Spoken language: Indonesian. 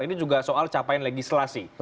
ini juga soal capaian legislasi